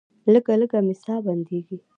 لږه لږه مې ساه بندیږي.